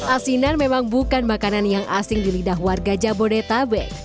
asinan memang bukan makanan yang asing di lidah warga jabodetabek